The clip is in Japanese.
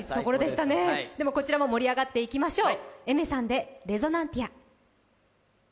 こちらも盛り上がっていきましょう。